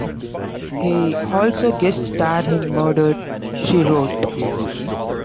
He also guest starred in "Murder, She Wrote".